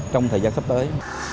trong thời gian sắp tới